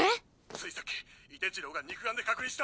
ついさっき射手次郎が肉眼で確認した！